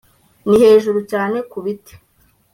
ni hejuru cyane ku biti